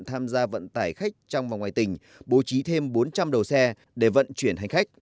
tham gia vận tải khách trong và ngoài tỉnh bố trí thêm bốn trăm linh đầu xe để vận chuyển hành khách